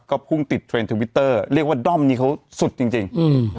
ก็พุ่งติดเทรนด์ทวิตเตอร์เรียกว่าด้อมนี้เขาสุดจริงจริงอืม